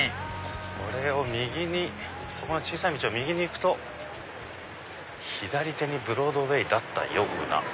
これを右にそこの小さい道を右に行くと左手にブロードウェイだったような。